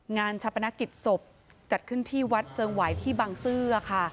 งานชะป้านาคิดสบจัดขึ้นที่วัดเชิงไหวที่บังซื่อค่ะ